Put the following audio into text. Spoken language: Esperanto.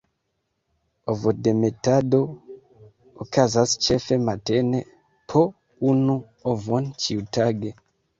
Ovodemetado okazas ĉefe matene, po unu ovon ĉiutage.